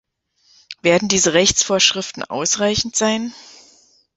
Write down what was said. Werden diese Rechtsvorschriften ausreichend sein?